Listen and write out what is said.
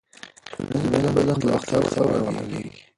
ټولنیز بدلون د وخت له اړتیاوو راولاړېږي.